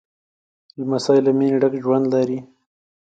لمسی له مینې ډک ژوند لري.